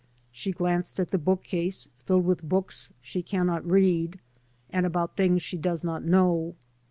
She glanced at the bookcase, filled with books she cannot read, and about things she does not know.